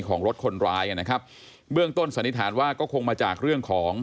ของรถคนร้ายนะครับเบื้องต้นสันนิษฐานว่าก็คงมาจากเรื่องของ